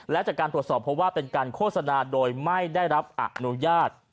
และจากการตรวจสอบเพราะว่าเป็นการโฆษณาโดยไม่ได้รับอนุญาต